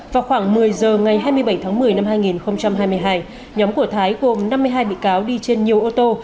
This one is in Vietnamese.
vào khoảng một mươi giờ ngày hai mươi bảy tháng một mươi năm hai nghìn hai mươi hai nhóm của thái gồm năm mươi hai bị cáo đi trên nhiều ô tô